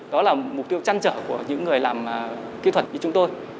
đó là mục tiêu chăn trở của những người làm kỹ thuật như chúng tôi